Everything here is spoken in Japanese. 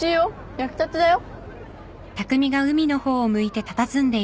焼きたてだよ。